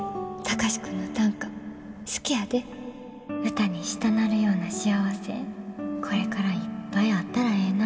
歌にしたなるような幸せこれからいっぱいあったらええな。